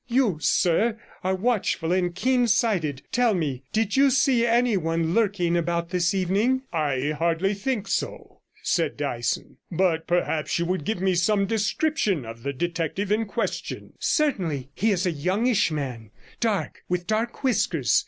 You, sir, are watchful and keen sighted; tell me, did you see anyone lurking about this evening?' 'I hardly think so,' said Dyson, 'but perhaps you would give me some description of the detective in question.' 'Certainly; he is a youngish man, dark, with dark whiskers.